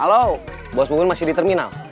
halo bos mungun masih di terminal